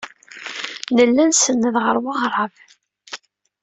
Nella nsenned ɣer weɣrab.